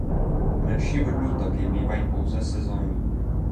Menší vodní toky bývají pouze sezónní.